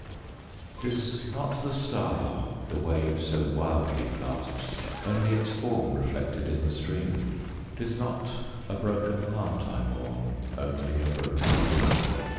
'Tis not the star the wave so wildly clasps, Only its form reflected in the stream; 'Tis not a broken heart I mourn, Only a broken dream.